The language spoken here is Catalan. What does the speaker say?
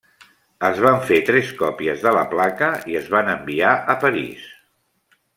Es van fer tres còpies de la placa i es van enviar a París.